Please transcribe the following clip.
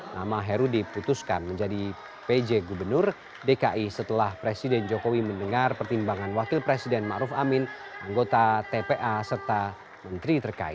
nama heru diputuskan menjadi pj gubernur dki setelah presiden jokowi mendengar pertimbangan wakil presiden ⁇ maruf ⁇ amin anggota tpa serta menteri terkait